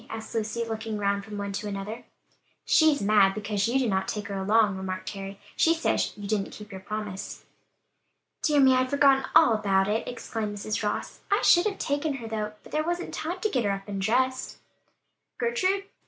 asked Lucy, looking round from one to another. "She's mad because you did not take her along," remarked Harry, "she says you didn't keep your promise." "Dear me, I'd forgotten all about it!" exclaimed Mrs. Ross. "I should have taken her though, but there wasn't time to get her up and dressed." "Gertrude!